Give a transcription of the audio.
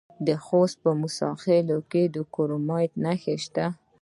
د خوست په موسی خیل کې د کرومایټ نښې شته.